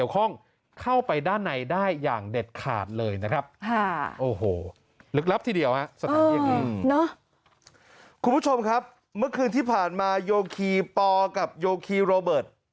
คุณผู้ชมครับเมื่อคืนที่ผ่านมาโยคีปอกับโยคีโรเบิร์ต